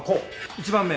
１番目。